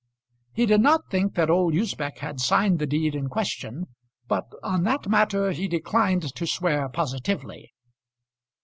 He did not think that old Usbech had signed the deed in question, but on that matter he declined to swear positively.